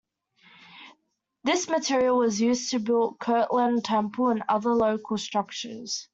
This material was used to build Kirtland Temple and other local structures.